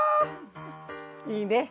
いいね。